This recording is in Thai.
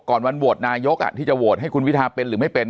วันโหวตนายกที่จะโหวตให้คุณวิทาเป็นหรือไม่เป็น